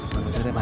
gak bisa deh pak